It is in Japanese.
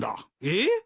えっ？